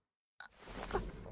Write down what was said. あっ。